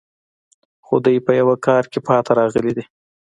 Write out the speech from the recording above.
خو دوی په یوه کار کې پاتې راغلي دي